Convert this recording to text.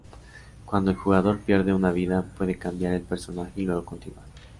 Cuando el jugador pierde una vida, puede cambiar el personaje y luego continuar.